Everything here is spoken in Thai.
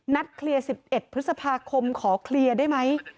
เคลียร์๑๑พฤษภาคมขอเคลียร์ได้ไหม